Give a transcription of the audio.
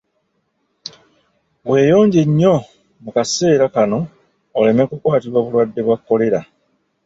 Weeyonje nnyo mu kaseera kano oleme kukwatibwa bulwadde bwa kolera